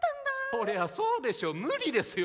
そりゃそうでしょ無理ですよ。